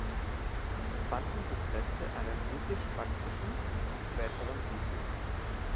Es fanden sich Reste einer griechisch-baktrischen und späteren Siedlung.